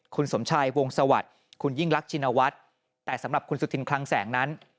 คุณสมชัยวงสวัสดิ์คุณยิ่งรักชินวัฒน์แต่สำหรับคุณสุธินคลังแสงนั้น